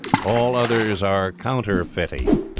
|| All others are counterfeite.